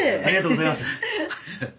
ありがとうございます。